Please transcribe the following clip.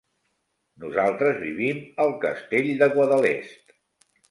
Nosaltres vivim al Castell de Guadalest.